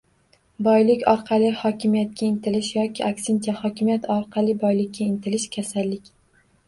Boylik orqali hokimyatga intilish yoki aksincha, hokimyat orqali boylikka intilish kasallik.